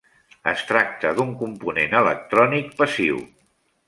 Es tracta d'un component electrònic passiu.